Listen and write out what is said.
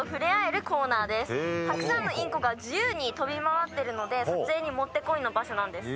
たくさんのインコが自由に飛び回ってるので撮影にもってこいの場所なんです。